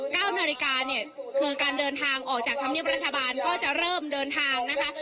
เก้านาฬิกาเนี่ยคือการเดินทางออกจากธรรมเนียบรัฐบาลก็จะเริ่มเดินทางนะคะ